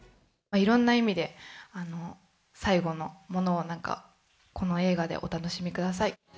いろんな意味で、最後のものを、なんかこの映画でお楽しみください。